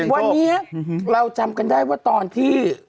วันนี้เราจำกันได้ว่าตอนที่